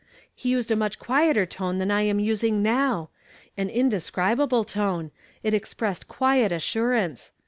lie vised a much (]uieter tone than 1 am nsin<^ now. An indeseri baltle lone ; it expressed (juiet assurance.